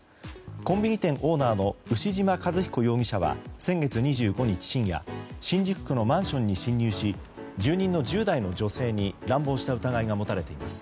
コンビニ店オーナーの牛島和彦容疑者は先月２５日深夜新宿区のマンションに侵入し住人の１０代の女性に乱暴した疑いが持たれています。